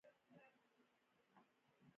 چین د نړۍ تر ټولو ډېر نفوس لري.